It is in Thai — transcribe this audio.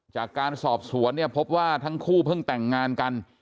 จากการสอบสวนเนี่ยพบว่าทั้งคู่เพิ่งแต่งงานกัน